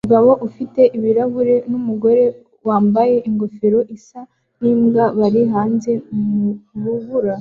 Umugabo ufite ibirahuri numugore wambaye ingofero isa nimbwa bari hanze mu rubura